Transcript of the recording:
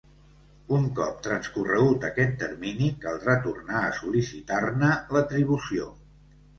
Un cop transcorregut aquest termini caldrà tornar a sol·licitar-ne l'atribució.